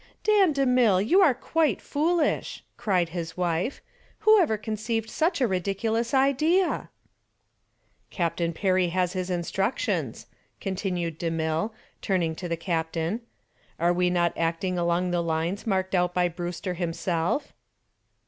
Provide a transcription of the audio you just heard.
"Dan DeMille, you are quite foolish," cried his wife. "Who ever conceived such a ridiculous idea?" "Captain Perry has his instructions," continued DeMille, turning to the captain. "Are we not acting along the lines marked out by Brewster himself?"